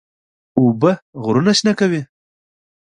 اوبه غرونه شنه کوي.